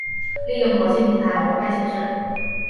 利用可信平台模块形式。